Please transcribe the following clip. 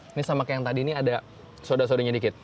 ini sama kayak yang tadi ini ada soda sodonya dikit